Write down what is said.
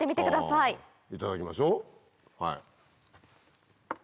いただきましょうはい。